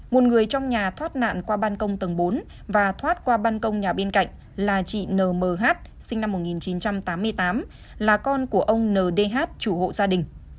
một người trong nhà thoát nạn qua ban công tầng bốn và thoát qua ban công nhà bên cạnh là chị nh sinh năm một nghìn chín trăm tám mươi tám là con của ông ndh chủ hộ gia đình